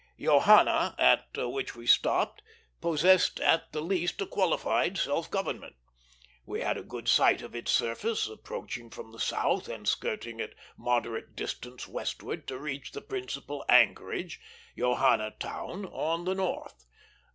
Johanna, at which we stopped, possessed at the least a qualified self government. We had a good sight of its surface, approaching from the south and skirting at moderate distance westward, to reach the principal anchorage, Johanna Town, on the north.